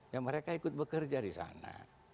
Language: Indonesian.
ya mereka ikut bekerja di sana